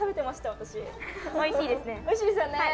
おいしいですよね。